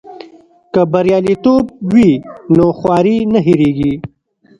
که بریالیتوب وي نو خواري نه هېریږي.